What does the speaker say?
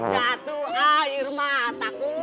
jatuh air mataku